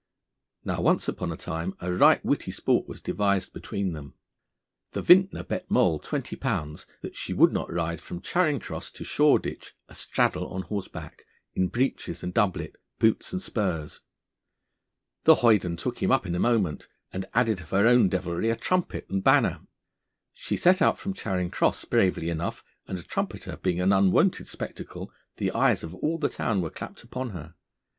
Now once upon a time a right witty sport was devised between them. The vintner bet Moll £20 that she would not ride from Charing Cross to Shoreditch astraddle on horseback, in breeches and doublet, boots and spurs. The hoyden took him up in a moment, and added of her own devilry a trumpet and banner. She set out from Charing Cross bravely enough, and a trumpeter being an unwonted spectacle, the eyes of all the town were clapped upon her.